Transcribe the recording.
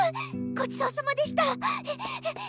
ごちそうさまでした！